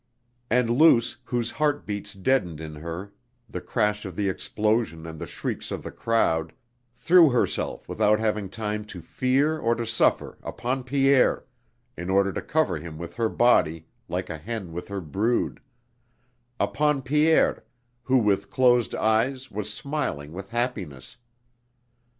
And Luce, whose heart beats deadened in her the crash of the explosion and the shrieks of the crowd, threw herself without having time to fear or to suffer upon Pierre, in order to cover him with her body like a hen with her brood upon Pierre, who with closed eyes was smiling with happiness.